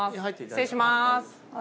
失礼しまーす。